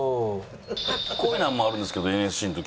こういうのもあるんですけどＮＳＣの時。